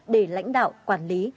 để lãnh đạo quản lý